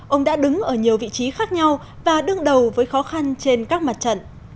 ông đã đứng ở nhiều vị trí khác nhau và đương đầu với khó khăn trên các mặt trận